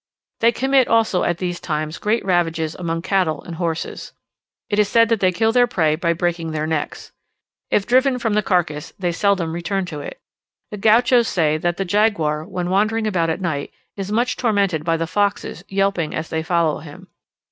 They commit also at these times great ravages among cattle and horses. It is said that they kill their prey by breaking their necks. If driven from the carcass, they seldom return to it. The Gauchos say that the jaguar, when wandering about at night, is much tormented by the foxes yelping as they follow him.